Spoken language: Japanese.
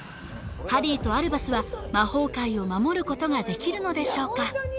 ハリーとアルバスは魔法界を守ることができるのでしょうか